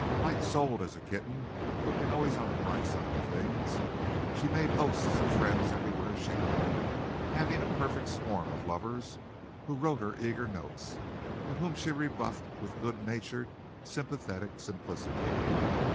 Light souled as a kitten, looking always on the bright side of things, she made hosts of friends everywhere she went, having a perfect swarm of lovers who wrote her eager notes, but whom she rebuffed with good natured, sympathetic simplicity.